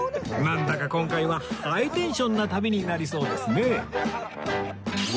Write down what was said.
なんだか今回はハイテンションな旅になりそうですね